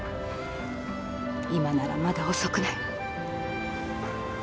今ならまだ遅くない。